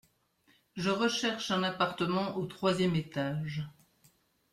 Je recherche un appartement au troisième étage.